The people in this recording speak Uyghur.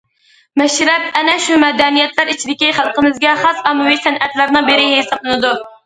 مەشرەپ ئەنە شۇ مەدەنىيەتلەر ئىچىدىكى خەلقىمىزگە خاس ئاممىۋى سەنئەتلەرنىڭ بىرى ھېسابلىنىدۇ.